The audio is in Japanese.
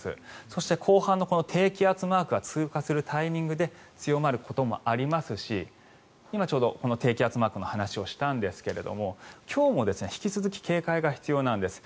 そして、後半の低気圧マークが通過するタイミングで強まることもありますし今ちょうどこの低気圧マークの話をしたんですが今日も引き続き警戒が必要なんです。